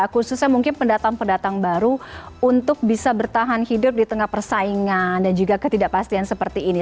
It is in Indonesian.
khususnya mungkin pendatang pendatang baru untuk bisa bertahan hidup di tengah persaingan dan juga ketidakpastian seperti ini